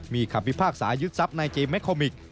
มีคำวิภาคสายึดทรัพย์ในเจมส์แม็กคอมมิก